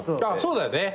そうだよね。